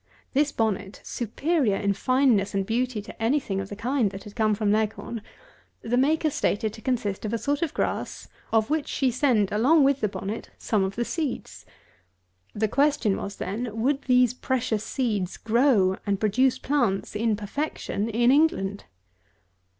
This bonnet, superior in fineness and beauty to anything of the kind that had come from Leghorn, the maker stated to consist of a sort of grass of which she sent along with the bonnet some of the seeds. The question was, then, would these precious seeds grow and produce plants in perfection in England?